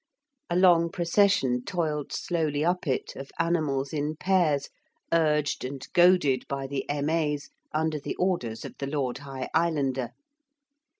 A long procession toiled slowly up it of animals in pairs, urged and goaded by the M.A.'s under the orders of the Lord High Islander.